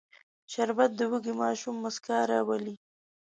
شربت د وږي ماشوم موسکا راولي